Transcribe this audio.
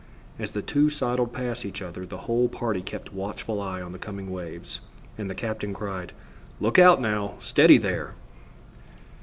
As the two sidled past each other, the whole party kept watchful eyes on the coming wave, and the captain cried: "Look out now! Steady there!"